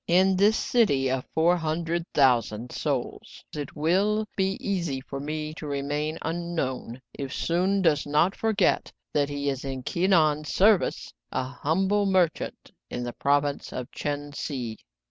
In this city of four hundred thousand souls it will be easy for me to remain unknown, if Soun does not forget that he is in Ki Nan*s service, a hum ble merchant in the province of Chen Si."